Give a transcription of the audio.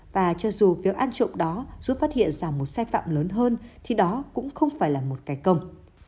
và cho dù việc ăn trộm đó giúp phát hiện ra một sai phạm lớn hơn thì đó cũng không phải là một cái công